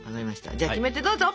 じゃあキメテどうぞ！